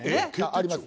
あります。